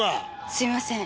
すみません。